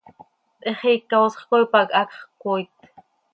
Xiica oosx coi pac hacx cömooit.